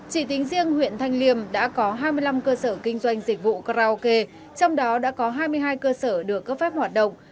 chỉ tính riêng huyện thanh liêm đã có hai mươi năm cơ sở kinh doanh dịch vụ karaoke trong đó đã có hai mươi hai cơ sở được cấp phép hoạt động